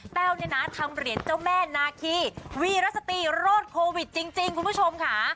เนี่ยนะทำเหรียญเจ้าแม่นาคีวีรสตรีรอดโควิดจริงคุณผู้ชมค่ะ